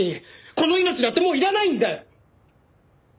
この命だってもういらないんだよ！